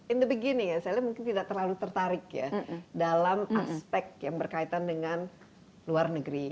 in the beginning ya saya lihat mungkin tidak terlalu tertarik ya dalam aspek yang berkaitan dengan luar negeri